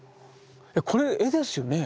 これ絵ですよね？